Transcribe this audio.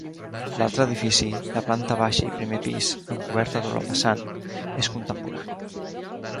L'altre edifici, de planta baixa i primer pis amb coberta a doble vessant, és contemporani.